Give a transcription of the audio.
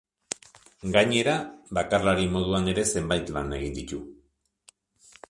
Gainera, bakarlari moduan ere zenbait lan egin ditu.